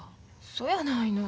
そやないの。